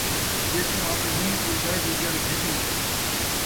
جیکوں آپݨی نئیں ، او ٻئے دی کیا رکھیسی